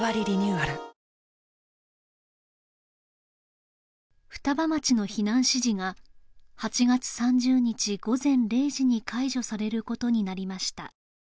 あ双葉町の避難指示が８月３０日午前０時に解除されることになりました